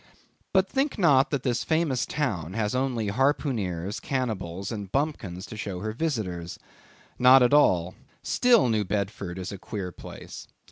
But think not that this famous town has only harpooneers, cannibals, and bumpkins to show her visitors. Not at all. Still New Bedford is a queer place.